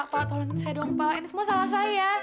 pak tolongin saya dong pak ini semua salah saya